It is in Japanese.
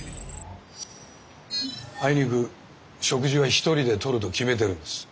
あいにく食事は一人でとると決めてるんです。